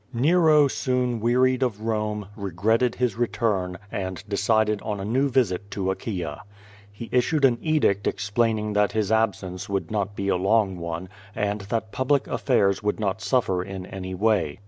Nero soon wearied of Rome, regretted his return, and de cided on a new visit to Acliaia. lie issued an edict explaining that his absence would not be a long one, and that public affairs would not suffer in any way.